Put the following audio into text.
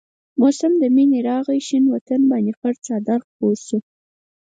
موسم د منی راغي شين وطن باندي خړ څادر خور شو